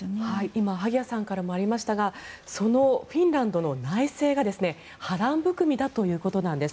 今萩谷さんからもありましたがフィンランドの内政が波乱含みだということなんです。